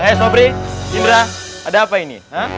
hei sopri indra ada apa ini